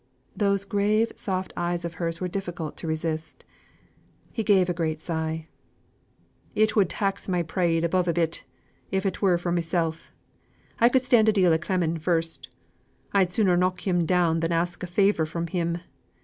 Those grave soft eyes of hers were difficult to resist. He gave a great sigh. "It would tax my pride above a bit; if it were for mysel', I could stand a deal o' clemming first; I'd sooner knock him down than ask a favour from him.